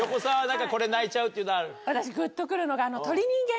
何かこれ泣いちゃうっていうのある？のが。